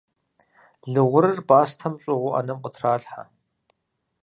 Лы гъурыр пӀастэм щӀыгъуу Ӏэнэм къытралъхьэ.